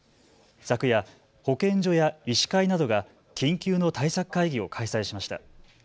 昨夜、保健所や医師会などが緊急の対策会議を開催しました。